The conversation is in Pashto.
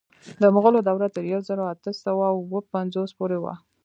د مغولو دوره تر یو زر اته سوه اوه پنځوس پورې وه.